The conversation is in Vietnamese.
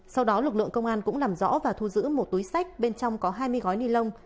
sau đó lực lượng công an cũng làm rõ và thu giữ một túi sách bên trong có hai mươi gói ni lông